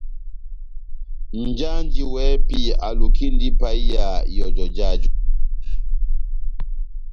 Nʼjanji wɛ́hɛ́pi alukindi ipahiya ihɔjɔ jáju.